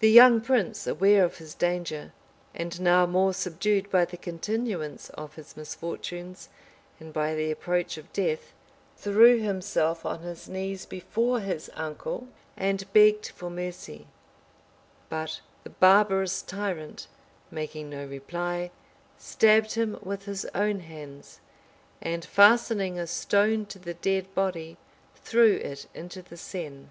The young prince, aware of his danger, and now more subdued by the continuance of his misfortunes, and by the approach of death, threw himself on his knees before hia uncle, and begged for mercy: but the barbarous tyrant, making no reply, stabbed him with his own hands; and fastening a stone to the dead body, threw it into the Seine.